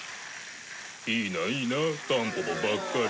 いいないいなタンポポばっかり。